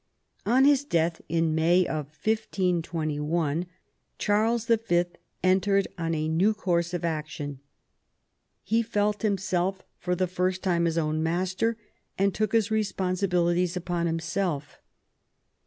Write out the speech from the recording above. On his death in May 1521 Charles V. entered on a new course of action. He felt himself for the first time his own master, and took his responsibilities upon himself.